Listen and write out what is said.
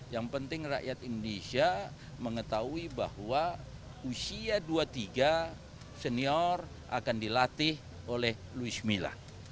yang penting rakyat indonesia mengetahui bahwa usia dua puluh tiga senior akan dilatih oleh luis mila